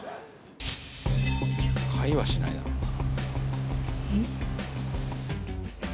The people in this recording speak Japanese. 買いはしないだろうな。